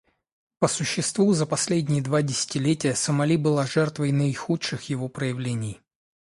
По существу за последние два десятилетия Сомали была жертвой наихудших его проявлений.